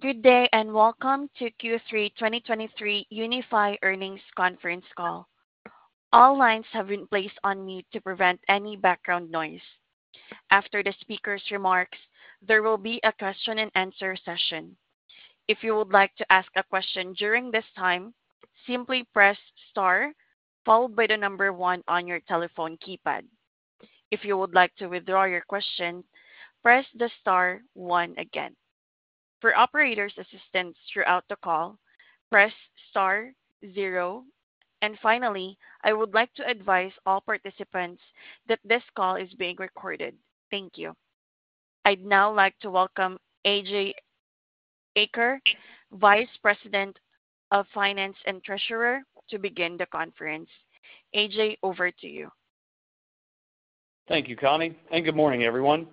Good day, welcome to Q3 2023 Unifi Earnings Conference Call. All lines have been placed on mute to prevent any background noise. After the speaker's remarks, there will be a Q&A session. If you would like to ask a question during this time, simply press Star followed by the number 1 on your telephone keypad. If you would like to withdraw your question, press the star one again. For operator's assistance throughout the call, press star zero. Finally, I would like to advise all participants that this call is being recorded. Thank you. I'd now like to welcome A.J. Eaker, Vice President of Finance and Treasurer, to begin the conference. A.J., over to you. Thank you, Connie, and good morning, everyone.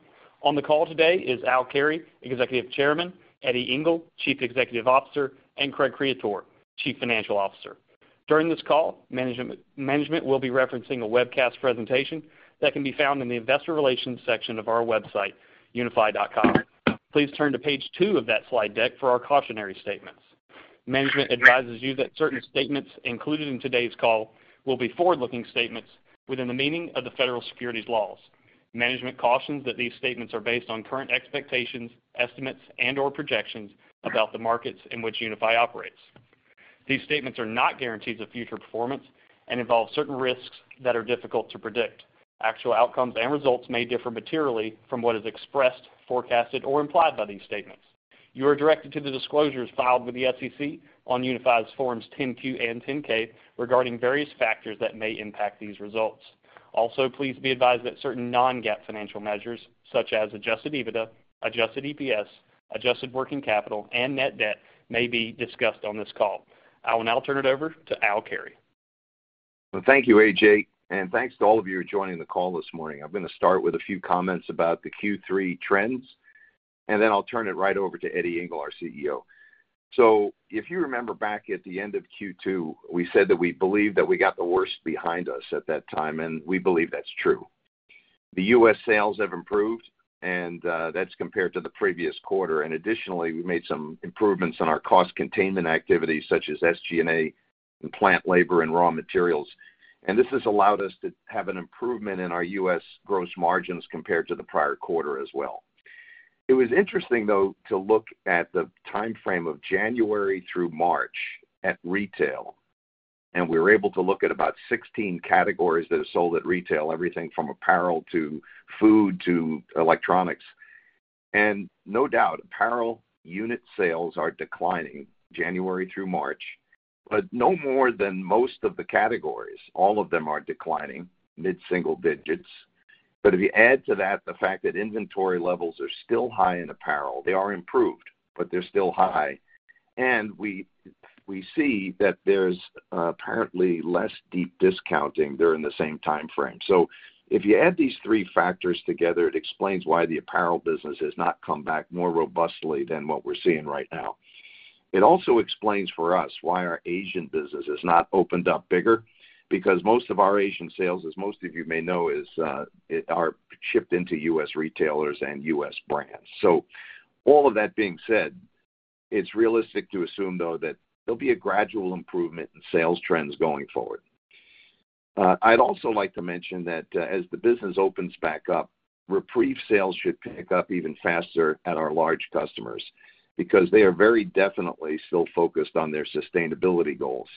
On the call today is Al Carey, Executive Chairman, Eddie Ingle, Chief Executive Officer, and Craig Creaturo, Chief Financial Officer. During this call, management will be referencing a webcast presentation that can be found in the investor relations section of our website, Unifi.com. Please turn to page two of that slide deck for our cautionary statements. Management advises you that certain statements included in today's call will be forward-looking statements within the meaning of the Federal securities laws. Management cautions that these statements are based on current expectations, estimates and/or projections about the markets in which Unifi operates. These statements are not guarantees of future performance and involve certain risks that are difficult to predict. Actual outcomes and results may differ materially from what is expressed, forecasted, or implied by these statements. You are directed to the disclosures filed with the SEC on Unifi's Forms 10-Q and 10-K regarding various factors that may impact these results. Please be advised that certain non-GAAP financial measures such as Adjusted EBITDA, Adjusted EPS, Adjusted Working Capital and net debt may be discussed on this call. I will now turn it over to Al Carey. Well, thank you, A.J., and thanks to all of you joining the call this morning. I'm gonna start with a few comments about the Q3 trends, then I'll turn it right over to Eddie Ingle, our CEO. If you remember back at the end of Q2, we said that we believed that we got the worst behind us at that time, we believe that's true. The U.S. sales have improved, that's compared to the previous quarter. Additionally, we made some improvements in our cost containment activities such as SG&A and plant labor and raw materials. This has allowed us to have an improvement in our U.S. gross margins compared to the prior quarter as well. It was interesting, though, to look at the timeframe of January through March at retail, and we were able to look at about 16 categories that are sold at retail, everything from apparel to food to electronics. No doubt, apparel unit sales are declining January through March, but no more than most of the categories. All of them are declining mid-single digits. If you add to that, the fact that inventory levels are still high in apparel, they are improved, but they're still high. We see that there's apparently less deep discounting during the same timeframe. If you add these three factors together, it explains why the apparel business has not come back more robustly than what we're seeing right now. It also explains for us why our Asian business has not opened up bigger because most of our Asian sales, as most of you may know, are shipped into U.S. retailers and U.S. brands. All of that being said, it's realistic to assume though that there'll be a gradual improvement in sales trends going forward. I'd also like to mention that as the business opens back up, REPREVE sales should pick up even faster at our large customers because they are very definitely still focused on their sustainability goals.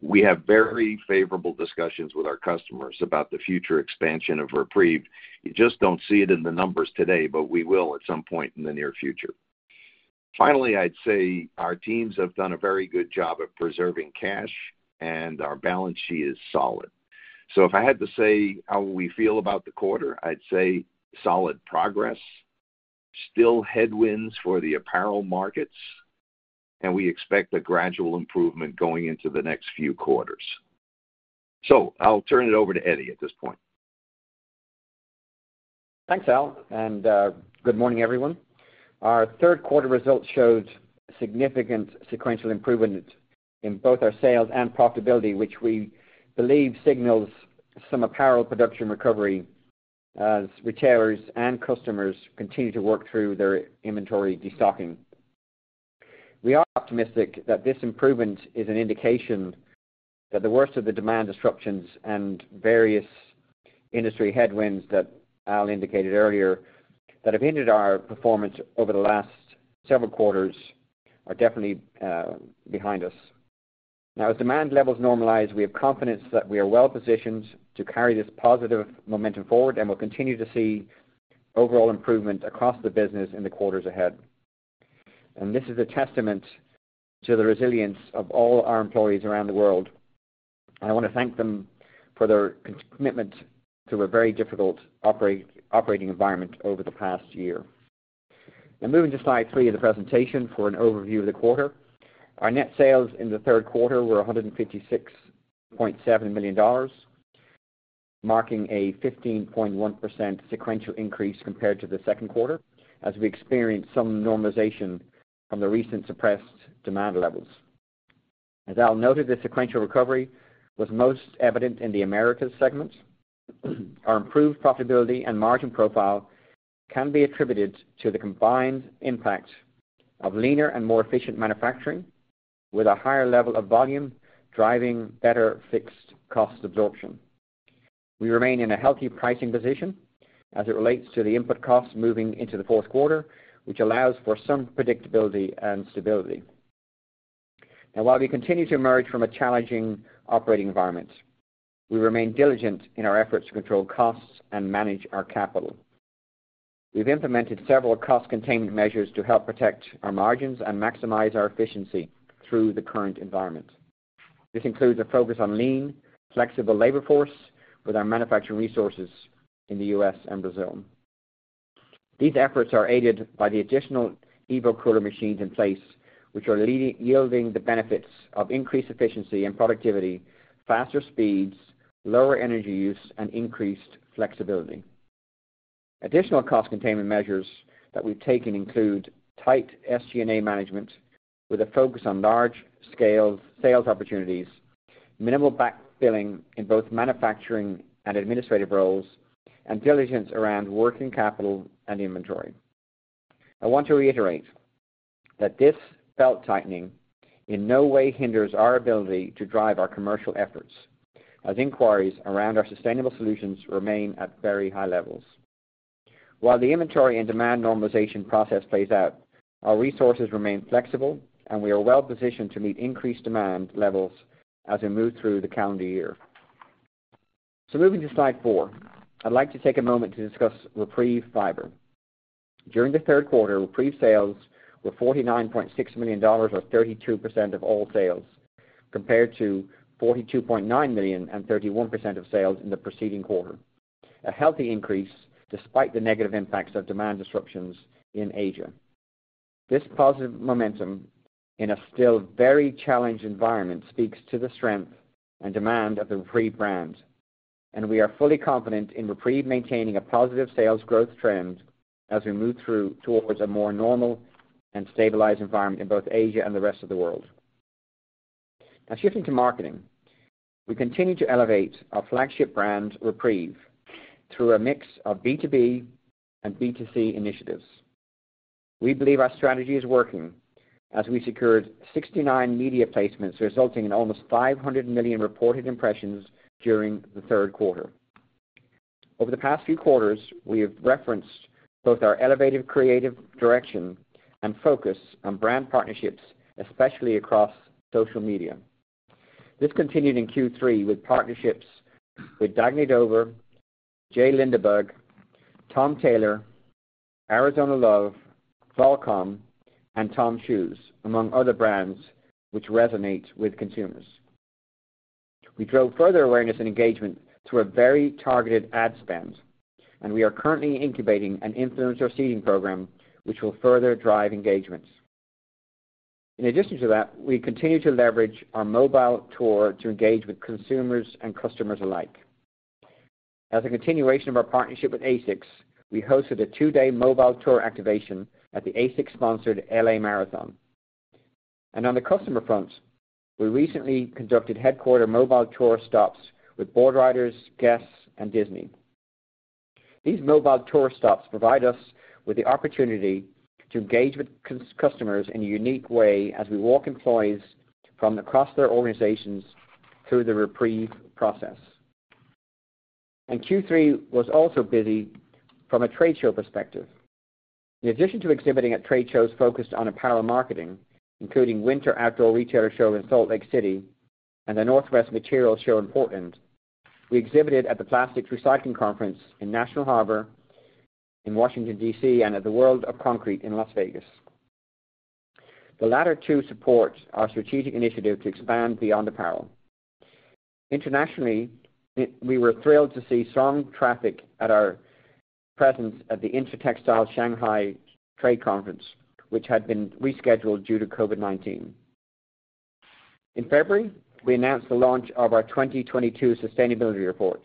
We have very favorable discussions with our customers about the future expansion of REPREVE. You just don't see it in the numbers today, but we will at some point in the near future. Finally, I'd say our teams have done a very good job at preserving cash, and our balance sheet is solid. If I had to say how we feel about the quarter, I'd say solid progress, still headwinds for the apparel markets, and we expect a gradual improvement going into the next few quarters. I'll turn it over to Eddie at this point. Thanks, Al. Good morning, everyone. Our third quarter results showed significant sequential improvement in both our sales and profitability, which we believe signals some apparel production recovery as retailers and customers continue to work through their inventory destocking. We are optimistic that this improvement is an indication that the worst of the demand disruptions and various industry headwinds that Al indicated earlier, that have hindered our performance over the last several quarters are definitely behind us. Now, as demand levels normalize, we have confidence that we are well-positioned to carry this positive momentum forward, and we'll continue to see overall improvement across the business in the quarters ahead. This is a testament to the resilience of all our employees around the world. I wanna thank them for their commitment to a very difficult operating environment over the past year. Moving to slide 3 of the presentation for an overview of the quarter. Our net sales in the third quarter were $156.7 million, marking a 15.1% sequential increase compared to the second quarter, as we experienced some normalization from the recent suppressed demand levels. As Al noted, the sequential recovery was most evident in the Americas segment. Our improved profitability and margin profile can be attributed to the combined impact of leaner and more efficient manufacturing with a higher level of volume driving better fixed cost absorption. We remain in a healthy pricing position as it relates to the input costs moving into the fourth quarter, which allows for some predictability and stability. While we continue to emerge from a challenging operating environment, we remain diligent in our efforts to control costs and manage our capital. We've implemented several cost containment measures to help protect our margins and maximize our efficiency through the current environment. This includes a focus on lean, flexible labor force with our manufacturing resources in the U.S. and Brazil. These efforts are aided by the additional EvoCooler machines in place, which are yielding the benefits of increased efficiency and productivity, faster speeds, lower energy use, and increased flexibility. Additional cost containment measures that we've taken include tight SG&A management with a focus on large scale sales opportunities, minimal backfilling in both manufacturing and administrative roles, and diligence around working capital and inventory. I want to reiterate that this belt-tightening in no way hinders our ability to drive our commercial efforts, as inquiries around our sustainable solutions remain at very high levels. While the inventory and demand normalization process plays out, our resources remain flexible, and we are well positioned to meet increased demand levels as we move through the calendar year. Moving to slide 4, I'd like to take a moment to discuss REPREVE fiber. During the third quarter, REPREVE sales were $49.6 million or 32% of all sales, compared to $42.9 million and 31% of sales in the preceding quarter. A healthy increase despite the negative impacts of demand disruptions in Asia. This positive momentum in a still very challenged environment speaks to the strength and demand of the REPREVE brand, and we are fully confident in REPREVE maintaining a positive sales growth trend as we move through towards a more normal and stabilized environment in both Asia and the rest of the world. Now shifting to marketing. We continue to elevate our flagship brand, REPREVE, through a mix of B2B and B2C initiatives. We believe our strategy is working as we secured 69 media placements, resulting in almost 500 million reported impressions during the third quarter. Over the past few quarters, we have referenced both our elevated creative direction and focus on brand partnerships, especially across social media. This continued in Q3 with partnerships with Dagne Dover, J.Lindeberg, Tom Tailor, Arizona Love, Volcom, and TOMS Shoes, among other brands which resonate with consumers. We drove further awareness and engagement through a very targeted ad spend, and we are currently incubating an influencer seeding program which will further drive engagement. In addition to that, we continue to leverage our mobile tour to engage with consumers and customers alike. As a continuation of our partnership with ASICS, we hosted a 2-day mobile tour activation at the ASICS-sponsored L.A. Marathon. On the customer front, we recently conducted headquarter mobile tour stops with Boardriders, Guess?, and Disney. These mobile tour stops provide us with the opportunity to engage with customers in a unique way as we walk employees from across their organizations through the REPREVE process. Q3 was also busy from a trade show perspective. In addition to exhibiting at trade shows focused on apparel marketing, including Outdoor Retailer Snow Show in Salt Lake City and The Materials Show in Portland, we exhibited at the Plastics Recycling Conference in National Harbor in Washington, D.C., and at the World of Concrete in Las Vegas. The latter two support our strategic initiative to expand beyond apparel. Internationally, we were thrilled to see strong traffic at our presence at the Intertextile Shanghai Trade Conference, which had been rescheduled due to COVID-19. In February, we announced the launch of our 2022 sustainability report.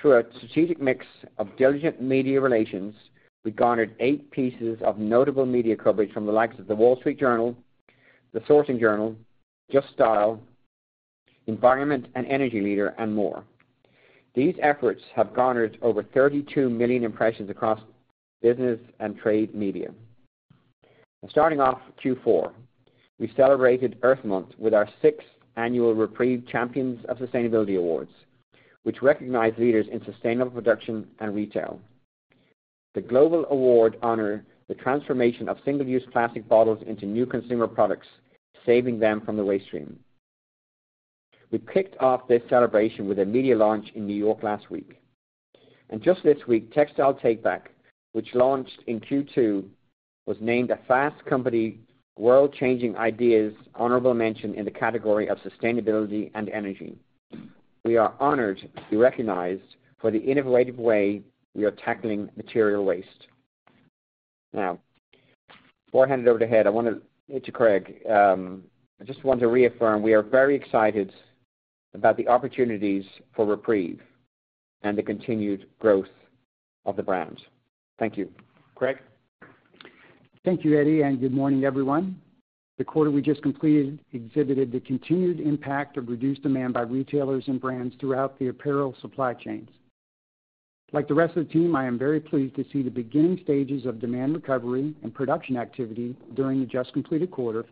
Through a strategic mix of diligent media relations, we garnered 8 pieces of notable media coverage from the likes of The Wall Street Journal, the Sourcing Journal, Just Style, Environment+Energy Leader, and more. These efforts have garnered over 32 million impressions across business and trade media. Starting off Q4, we celebrated Earth Month with our sixth annual REPREVE Champions of Sustainability awards, which recognize leaders in sustainable production and retail. The global award honor the transformation of single-use plastic bottles into new consumer products, saving them from the waste stream. We kicked off this celebration with a media launch in New York last week. Just this week, Textile Take Back, which launched in Q2, was named a Fast Company World Changing Ideas honorable mention in the category of sustainability and energy. We are honored to be recognized for the innovative way we are tackling material waste. Now, before I hand it over to Craig, I just want to reaffirm we are very excited about the opportunities for REPREVE and the continued growth of the brand. Thank you. Craig? Thank you, Eddie. Good morning, everyone. The quarter we just completed exhibited the continued impact of reduced demand by retailers and brands throughout the apparel supply chains. Like the rest of the team, I am very pleased to see the beginning stages of demand recovery and production activity during the just completed quarter,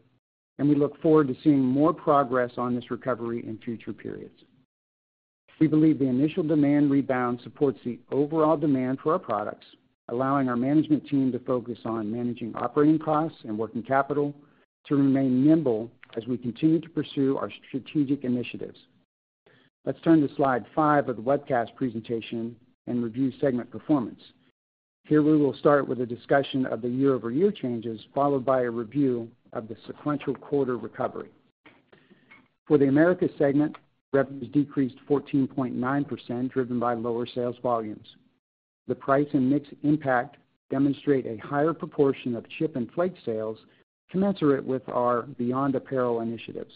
and we look forward to seeing more progress on this recovery in future periods. We believe the initial demand rebound supports the overall demand for our products, allowing our management team to focus on managing operating costs and working capital to remain nimble as we continue to pursue our strategic initiatives. Let's turn to slide 5 of the webcast presentation and review segment performance. Here we will start with a discussion of the year-over-year changes, followed by a review of the sequential quarter recovery. For the Americas segment, revenues decreased 14.9%, driven by lower sales volumes. The price and mix impact demonstrate a higher proportion of chip and flake sales commensurate with our beyond apparel initiatives.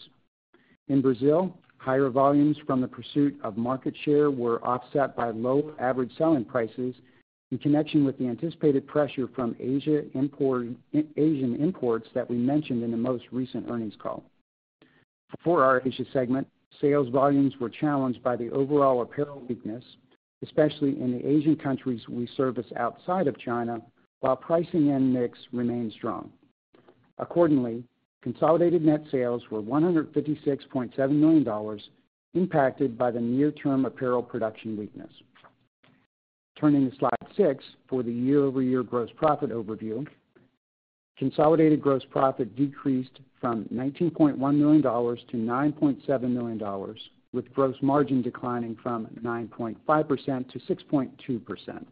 In Brazil, higher volumes from the pursuit of market share were offset by low average selling prices in connection with the anticipated pressure from Asian imports that we mentioned in the most recent earnings call. For our Asia segment, sales volumes were challenged by the overall apparel weakness, especially in the Asian countries we service outside of China, while pricing and mix remained strong. Accordingly, consolidated net sales were $156.7 million, impacted by the near-term apparel production weakness. Turning to slide 6 for the year-over-year gross profit overview. Consolidated gross profit decreased from $19.1 million to $9.7 million, with gross margin declining from 9.5% to 6.2%.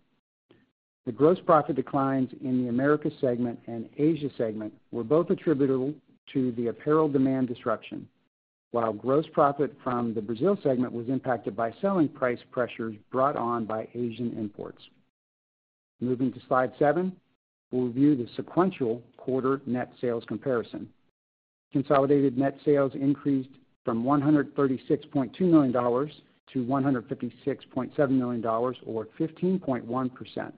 The gross profit declines in the Americas segment and Asia segment were both attributable to the apparel demand disruption, while gross profit from the Brazil segment was impacted by selling price pressures brought on by Asian imports. Moving to slide 7, we'll review the sequential quarter net sales comparison. Consolidated net sales increased from $136.2 million to $156.7 million or 15.1%.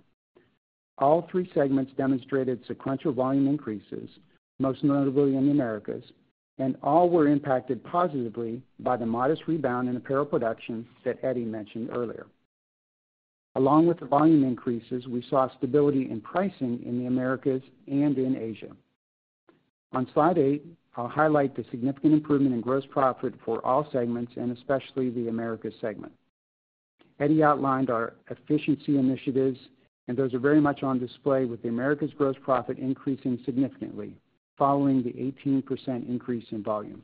All three segments demonstrated sequential volume increases, most notably in the Americas, and all were impacted positively by the modest rebound in apparel production that Eddie mentioned earlier. Along with the volume increases, we saw stability in pricing in the Americas and in Asia. On slide 8, I'll highlight the significant improvement in gross profit for all segments, and especially the Americas segment. Eddie outlined our efficiency initiatives, and those are very much on display, with the Americas gross profit increasing significantly following the 18% increase in volume.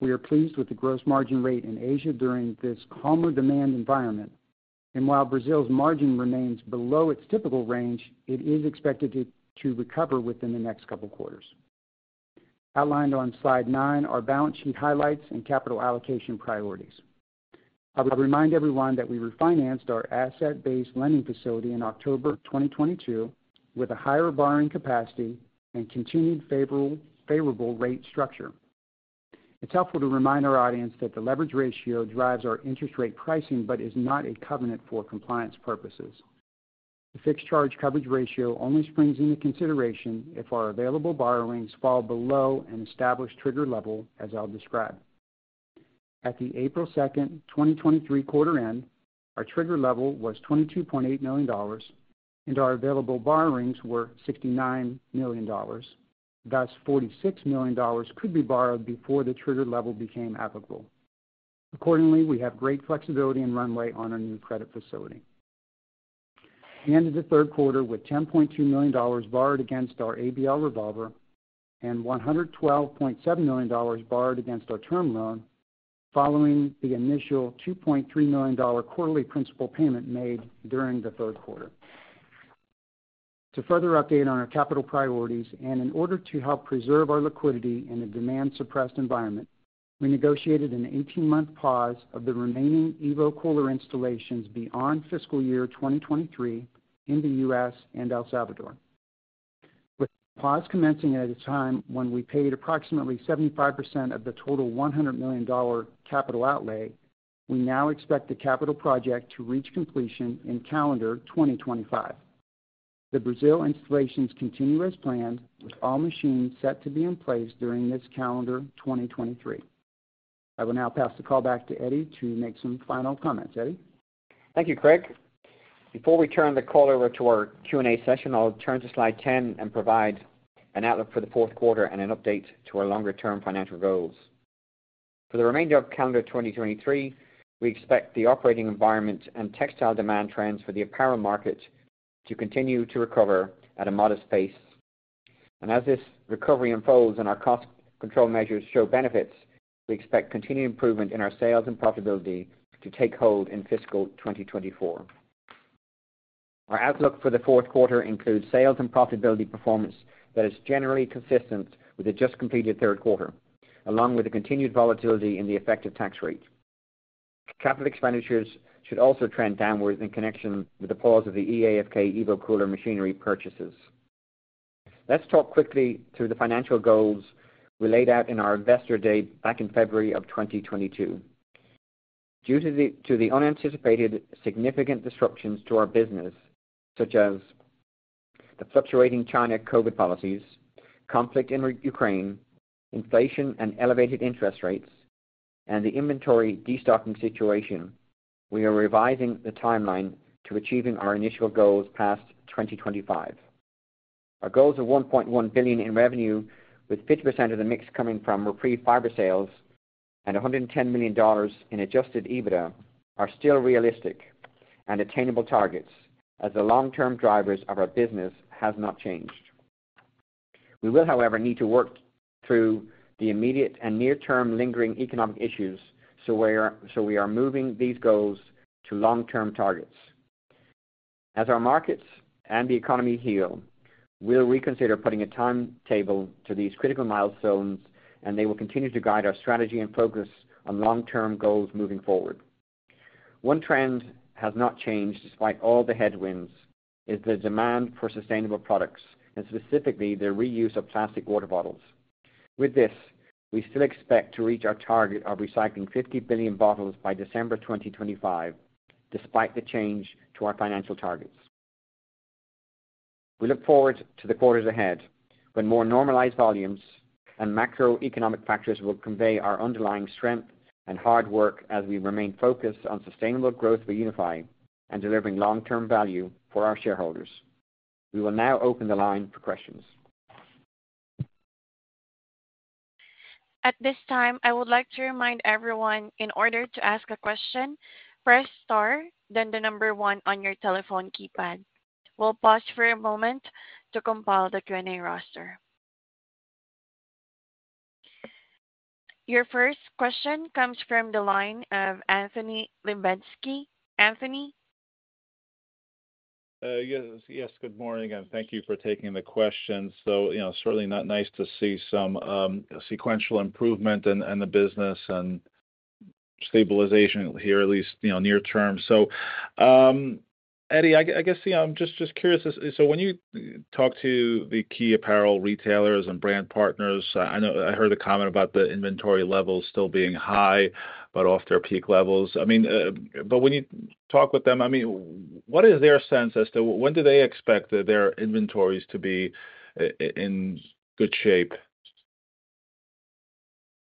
We are pleased with the gross margin rate in Asia during this calmer demand environment. While Brazil's margin remains below its typical range, it is expected to recover within the next couple quarters. Outlined on slide 9 are balance sheet highlights and capital allocation priorities. I would remind everyone that we refinanced our asset-based lending facility in October 2022 with a higher borrowing capacity and continued favorable rate structure. It's helpful to remind our audience that the leverage ratio drives our interest rate pricing but is not a covenant for compliance purposes. The fixed charge coverage ratio only springs into consideration if our available borrowings fall below an established trigger level, as I'll describe. At the April 2, 2023 quarter end, our trigger level was $22.8 million and our available borrowings were $69 million. Thus, $46 million could be borrowed before the trigger level became applicable. Accordingly, we have great flexibility and runway on our new credit facility. We ended the third quarter with $10.2 million borrowed against our ABL revolver and $112.7 million borrowed against our term loan, following the initial $2.3 million quarterly principal payment made during the third quarter. To further update on our capital priorities, and in order to help preserve our liquidity in a demand-suppressed environment, we negotiated an 18-month pause of the remaining EvoCooler installations beyond fiscal year 2023 in the U.S. and El Salvador. With the pause commencing at a time when we paid approximately 75% of the total $100 million capital outlay, we now expect the capital project to reach completion in calendar 2025. The Brazil installations continue as planned, with all machines set to be in place during this calendar 2023. I will now pass the call back to Eddie to make some final comments. Eddie? Thank you, Craig Creaturo. Before we turn the call over to our Q&A session, I'll turn to slide 10 and provide an outlook for the 4th quarter and an update to our longer-term financial goals. For the remainder of calendar 2023, we expect the operating environment and textile demand trends for the apparel market to continue to recover at a modest pace. As this recovery unfolds and our cost control measures show benefits, we expect continued improvement in our sales and profitability to take hold in fiscal 2024. Our outlook for the 4th quarter includes sales and profitability performance that is generally consistent with the just completed 3rd quarter, along with the continued volatility in the effective tax rate. Capital expenditures should also trend downwards in connection with the pause of the eAFK EvoCooler machinery purchases. Let's talk quickly through the financial goals we laid out in our Investor Day back in February of 2022. Due to the unanticipated significant disruptions to our business such as the fluctuating China COVID policies, conflict in Ukraine, inflation and elevated interest rates, and the inventory destocking situation, we are revising the timeline to achieving our initial goals past 2025. Our goals of $1.1 billion in revenue with 50% of the mix coming from REPREVE fiber sales and $110 million in adjusted EBITDA are still realistic and attainable targets as the long-term drivers of our business has not changed. We will, however, need to work through the immediate and near-term lingering economic issues, so we are moving these goals to long-term targets. As our markets and the economy heal, we'll reconsider putting a timetable to these critical milestones, and they will continue to guide our strategy and focus on long-term goals moving forward. One trend has not changed despite all the headwinds, is the demand for sustainable products and specifically the reuse of plastic water bottles. With this, we still expect to reach our target of recycling 50 billion bottles by December 2025, despite the change to our financial targets. We look forward to the quarters ahead when more normalized volumes and macroeconomic factors will convey our underlying strength and hard work as we remain focused on sustainable growth for Unifi and delivering long-term value for our shareholders. We will now open the line for questions. At this time, I would like to remind everyone in order to ask a question, press star then the number 1 on your telephone keypad. We'll pause for a moment to compile the Q&A roster. Your first question comes from the line of Anthony Lebiedzinski. Anthony? Yes, yes. Good morning, and thank you for taking the questions. You know, certainly not nice to see some sequential improvement in the business and stabilization here at least, you know, near term. Eddie, I guess, you know, I'm just curious. When you talk to the key apparel retailers and brand partners, I know I heard a comment about the inventory levels still being high but off their peak levels. I mean, when you talk with them, I mean, what is their sense as to when do they expect their inventories to be in good shape?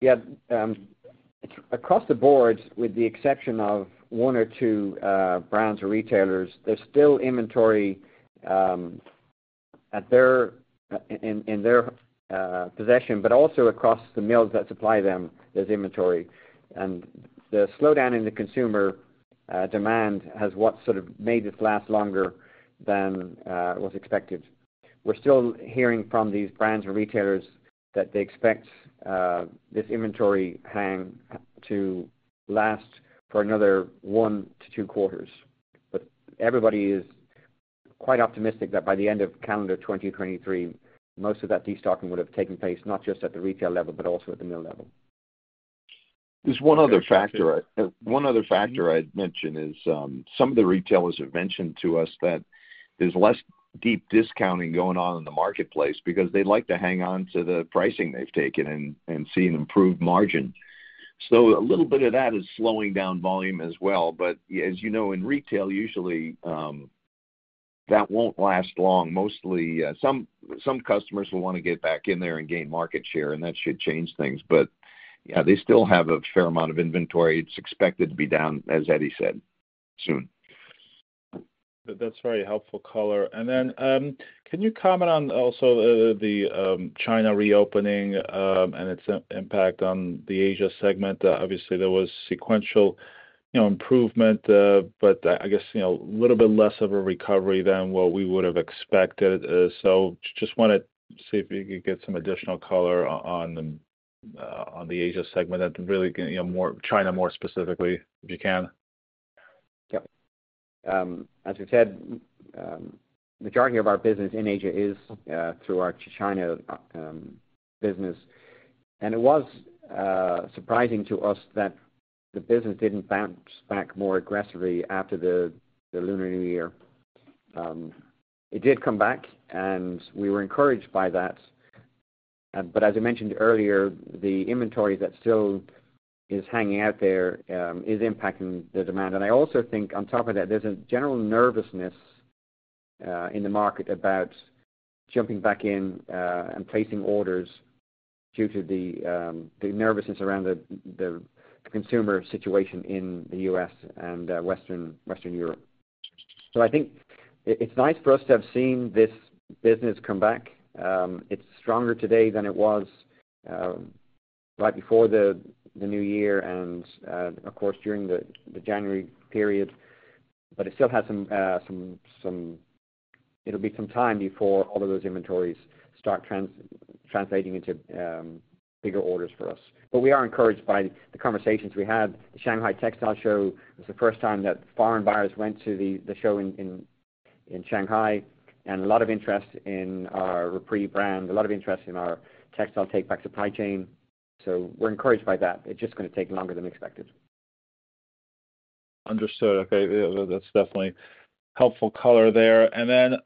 Yeah. Across the board, with the exception of one or two brands or retailers, there's still inventory at their possession, but also across the mills that supply them, there's inventory. The slowdown in the consumer demand has what sort of made this last longer than was expected. We're still hearing from these brands or retailers that they expect this inventory hang to last for another one to two quarters. Everybody is quite optimistic that by the end of calendar 2023, most of that destocking would have taken place, not just at the retail level, but also at the mill level. There's one other factor. One other factor I'd mention is, some of the retailers have mentioned to us that there's less deep discounting going on in the marketplace because they like to hang on to the pricing they've taken and seen improved margin. A little bit of that is slowing down volume as well. As you know, in retail, usually, that won't last long. Mostly, some customers will want to get back in there and gain market share, and that should change things. Yeah, they still have a fair amount of inventory. It's expected to be down, as Eddie said, soon. That's very helpful color. Can you comment on also the China reopening and its impact on the Asia segment? Obviously, there was sequential, you know, improvement, but I guess, you know, a little bit less of a recovery than what we would have expected. Just wanted to see if you could get some additional color on the Asia segment and really, you know, China more specifically, if you can. Yep. As you said, majority of our business in Asia is through our China business. It was surprising to us that the business didn't bounce back more aggressively after the Lunar New Year. It did come back, and we were encouraged by that. As I mentioned earlier, the inventory that still is hanging out there is impacting the demand. I also think on top of that, there's a general nervousness in the market about jumping back in and placing orders due to the nervousness around the consumer situation in the U.S. and Western Europe. I think it's nice for us to have seen this business come back. It's stronger today than it was right before the new year and, of course, during the January period. It still has some... It'll be some time before all of those inventories start translating into bigger orders for us. We are encouraged by the conversations we had. The Shanghai Textile Show was the first time that foreign buyers went to the show in Shanghai. A lot of interest in our REPREVE brand, a lot of interest in our textile take-back supply chain. We're encouraged by that. It's just going to take longer than expected. Understood. Okay. That's definitely helpful color there. Then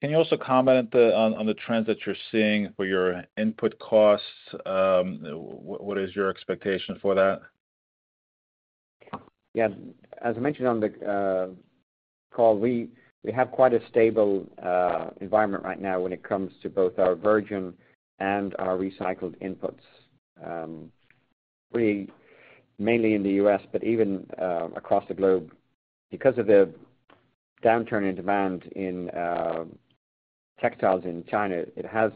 can you also comment on the trends that you're seeing for your input costs? What is your expectation for that? Yeah. As I mentioned on the call, we have quite a stable environment right now when it comes to both our virgin and our recycled inputs. Mainly in the U.S., but even across the globe. Because of the downturn in demand in textiles in China, it has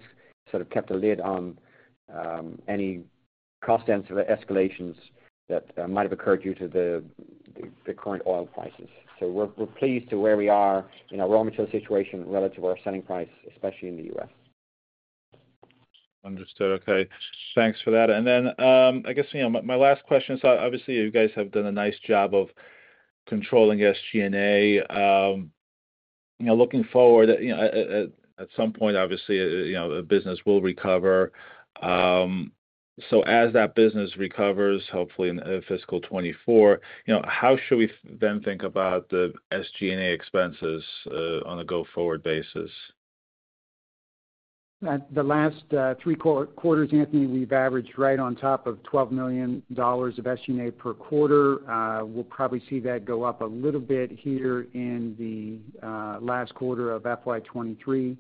sort of kept a lid on any cost ends or the escalations that might have occurred due to the current oil prices. We're pleased to where we are in our raw material situation relative to our selling price, especially in the U.S. Understood. Okay. Thanks for that. I guess, you know, my last question is, obviously, you guys have done a nice job of controlling SG&A. You know, looking forward, you know, at some point, obviously, you know, the business will recover. As that business recovers, hopefully in fiscal 24, you know, how should we then think about the SG&A expenses on a go-forward basis? At the last three quarters, Anthony Lebiedzinski, we've averaged right on top of $12 million of SG&A per quarter. We'll probably see that go up a little bit here in the last quarter of FY 23.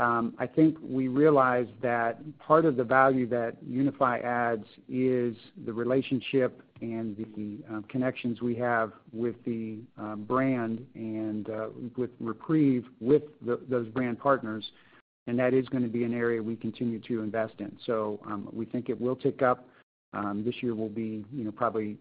I think we realized that part of the value that Unifi adds is the relationship and the connections we have with the brand and with REPREVE, with those brand partners, and that is gonna be an area we continue to invest in. We think it will tick up. This year will be, you know, probably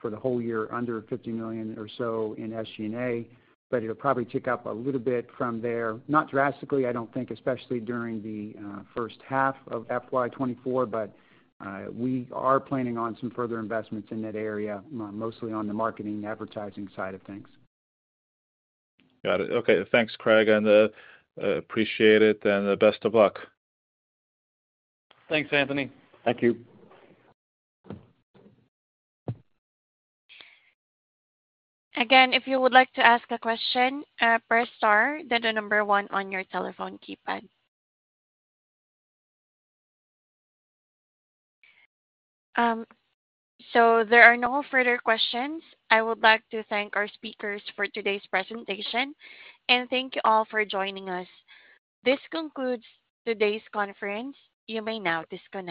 for the whole year under $50 million or so in SG&A, but it'll probably tick up a little bit from there. Not drastically, I don't think, especially during the first half of FY 2024, but we are planning on some further investments in that area, mostly on the marketing and advertising side of things. Got it. Okay. Thanks, Craig, appreciate it and best of luck. Thanks, Anthony. Thank you. If you would like to ask a question, press star one on your telephone keypad. There are no further questions. I would like to thank our speakers for today's presentation, and thank you all for joining us. This concludes today's conference. You may now disconnect.